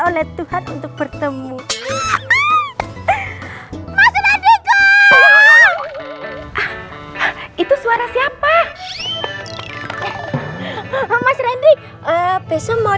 oleh tuhan untuk bertemu itu suara siapa mas rendi besok mau